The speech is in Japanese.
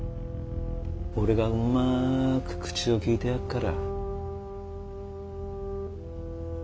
俺がうまく口を利いてやっから。